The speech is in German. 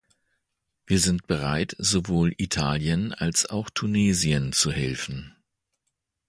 Wir sind bereit, sowohl Italien als auch Tunesien zu helfen.